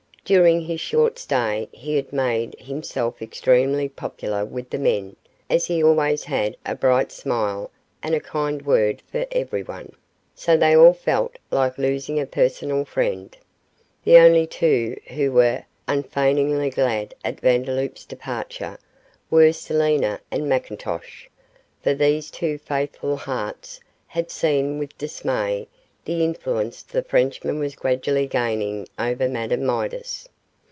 During his short stay he had made himself extremely popular with the men, as he always had a bright smile and a kind word for everyone, so they all felt like losing a personal friend. The only two who were unfeigningly glad at Vandeloup's departure were Selina and McIntosh, for these two faithful hearts had seen with dismay the influence the Frenchman was gradually gaining over Madame Midas.